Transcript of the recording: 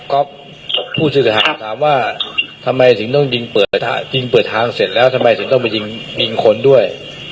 ครับก๊อปผู้สื่อสถานค์ถามว่าทำไมสินต้องยิงเปิดทางเสร็จแล้วทำไมสินต้องไปยิงคนด้วย